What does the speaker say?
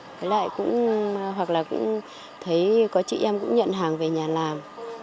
với lại cũng hoặc là cũng thấy có chị em cũng nhận hàng về nhà làm